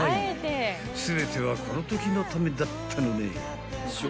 ［全てはこのときのためだったのね］